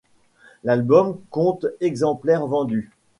L'album compte exemplaires vendus.